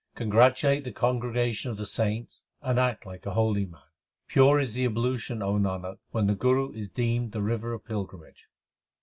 Congratulate the congregation of the saints, and act like a holy man. Pure is the ablution, O Nanak, when the Guru is deemed the river of pilgrimage.